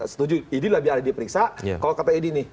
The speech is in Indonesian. setuju id lebih ada diperiksa kalau kpi ini